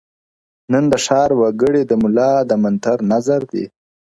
• نن د ښار وګړي د مُلا د منتر نذر دي -